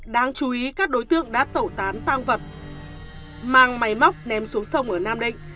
đáng chú ý các đối tượng đã tẩu tán tăng vật mang máy móc ném xuống sông ở nam định